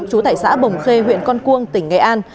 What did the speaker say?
trú tại xã bồng khê huyện con cuông tỉnh nghệ an